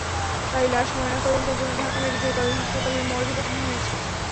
তাই লাশ ময়নাতদন্তের জন্য ঢাকা মেডিকেল কলেজ হাসপাতালের মর্গে পাঠানো হয়েছে।